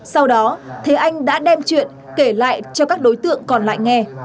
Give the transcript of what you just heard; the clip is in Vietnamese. sau đó thế anh đã đem chuyện kể lại cho các đối tượng còn lại nghe